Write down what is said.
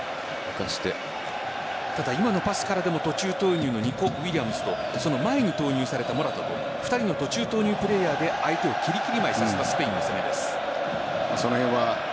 ただ今のパスからでも途中投入のニコウィリアムズとその前に投入されたモラタと二人の途中投入プレーヤーで相手をきりきり舞いさせたスペインです。